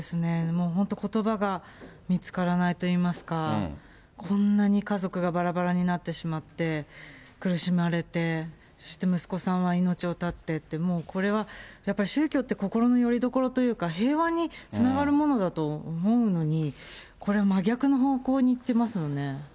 もう本当ことばが見つからないといいますか、こんなに家族がばらばらになってしまって、苦しまれて、そして息子さんは命を絶ってって、もうこれはやっぱり宗教って、心のよりどころというか、平和につながるものだと思うのに、これは真逆の方向にいってますよね。